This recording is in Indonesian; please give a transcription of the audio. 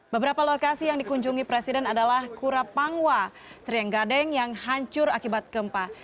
beberapa lokasi yang dikunjungi presiden adalah kura pangwa trienggadeng yang hancur akibat gempa